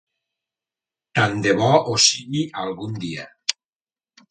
Tant de bo ho sigui algun dia.